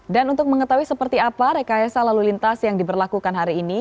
dan untuk mengetahui seperti apa rekayasa lalu lintas yang diberlakukan hari ini